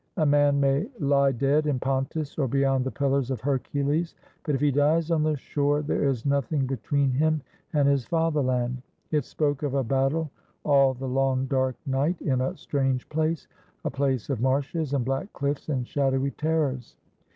A man may lie dead in Pontus or beyond the Pillars of Hercules, but if he dies on the shore there is nothing between him and his fatherland. It spoke of a battle all the long dark night in a strange place — a place of marshes and black cliffs and shadowy terrors.